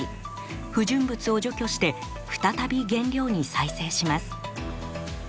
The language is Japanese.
不純物を除去して再び原料に再生します。